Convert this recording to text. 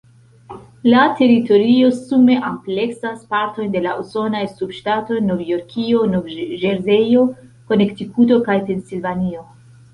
La teritorio sume ampleksas partojn de la usonaj subŝtatoj Novjorkio, Nov-Ĵerzejo, Konektikuto kaj Pensilvanio.